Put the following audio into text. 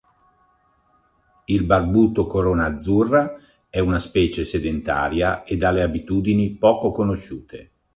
Il barbuto corona azzurra è una specie sedentaria e dalle abitudini poco conosciute.